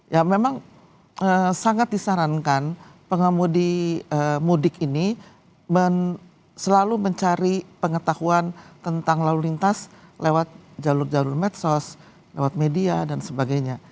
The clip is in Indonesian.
ya memang sangat disarankan pengemudi mudik ini selalu mencari pengetahuan tentang lalu lintas lewat jalur jalur medsos lewat media dan sebagainya